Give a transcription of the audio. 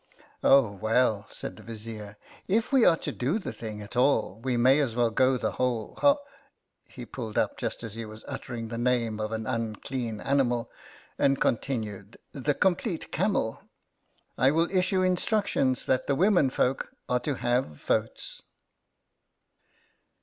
" Oh, well," said the Vizier, " if we are to do the thing at all we may as well go the whole h " he pulled up just as he was uttering the name of an unclean animal, and con tinued, "the complete camel. I will issue 40 YOUNG TURKISH CATASTROPHE instructions that womenfolk are to have votes."